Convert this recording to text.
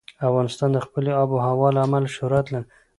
افغانستان د خپلې آب وهوا له امله شهرت لري.